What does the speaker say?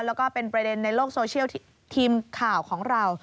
แล้วก็เป็นประเด็นในโลกโซเชียลทีมข่าวของเรา